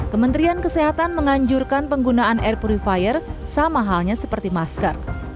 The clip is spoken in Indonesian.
kementerian kesehatan menganjurkan penggunaan air purifier sama halnya seperti masker